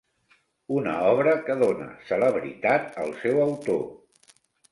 Una obra que donà celebritat al seu autor.